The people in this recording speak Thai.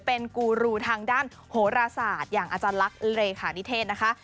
เป็นกูรูทางด้านโหราศาสตร์อย่างอาจารย์ลักษณ์เลขานิเทศนะคะ